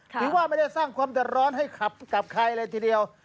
ถือว่าไม่ได้สร้างความเดือดร้อนให้กับใครเลยทีเดียว